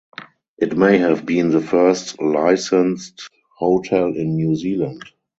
It may have been the first licensed hotel in New Zealand.